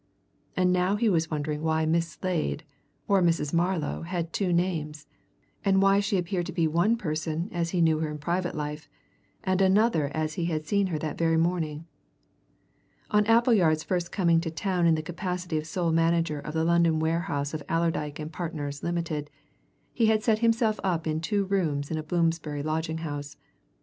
And now he was wondering why Miss Slade or Mrs. Marlow had two names, and why she appeared to be one person as he knew her in private life, and another as he had seen her that very morning. On Appleyard's first coming to town in the capacity of sole manager of the London warehouse of Allerdyke and Partners, Limited, he had set himself up in two rooms in a Bloomsbury lodging house.